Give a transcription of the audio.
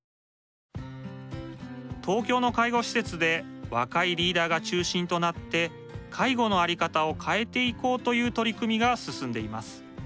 東京の介護施設で若いリーダーが中心となって介護の在り方を変えていこうという取り組みが進んでいます。